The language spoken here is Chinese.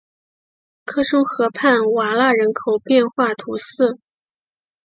科松河畔瓦讷人口变化图示